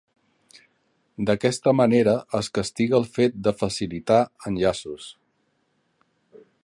D'aquesta manera, es castiga el fet de facilitar enllaços.